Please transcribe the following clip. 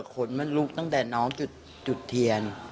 ขนมันลุกตั้งแต่น้องจุดเทียน